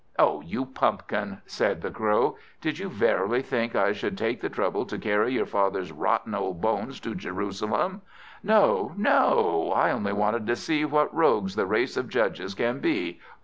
"Oh, you pumpkin!" said the Crow, "did you verily think that I should take the trouble to carry your father's rotten old bones to Jerusalem? No, no; I only wanted to see what rogues the race of Judges can be.